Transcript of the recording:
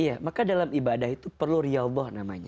iya maka dalam ibadah itu perlu riyaldo namanya